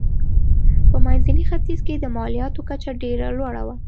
په منځني ختیځ کې د مالیاتو کچه ډېره لوړه وه.